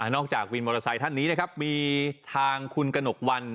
จากวินมอเตอร์ไซค์ท่านนี้นะครับมีทางคุณกระหนกวัน